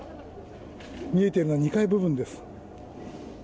見えているのは２階部分です。